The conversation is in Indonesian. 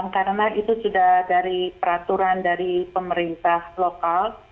karena itu sudah dari peraturan dari pemerintah lokal